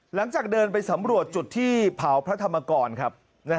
หลังจากเดินไปสำรวจจุดที่เผาพระธรรมกรครับ